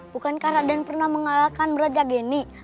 bukankah raden pernah mengalahkan brajageni